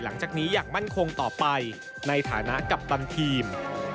หลังจากนี้อย่างมั่นคงต่อไปในฐานะกัปตันทีม